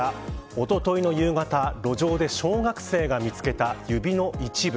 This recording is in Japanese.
おとといの夕方路上で小学生が見つけた指の一部。